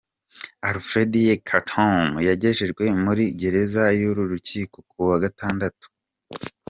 Alfred Yekatom yagejejwe muri gereza y'uru rukiko ku wa gatandatu.